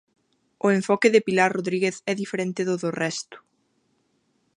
O enfoque de Pilar Rodríguez é diferente do do resto.